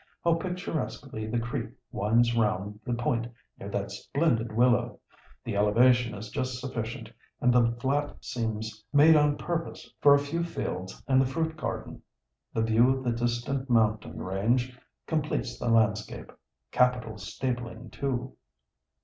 How picturesquely the creek winds round the point near that splendid willow; the elevation is just sufficient, and the flat seems made on purpose for a few fields and the fruit garden. The view of the distant mountain range completes the landscape. Capital stabling too."